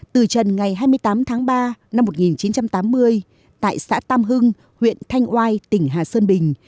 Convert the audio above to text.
từ trần ngày hai mươi tám tháng ba năm một nghìn chín trăm tám mươi tại xã tam hưng huyện thanh oai tỉnh hà sơn bình